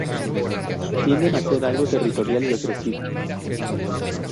Tienden a ser algo territorial y agresivo.